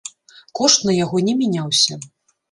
Кошт на яго не мяняўся.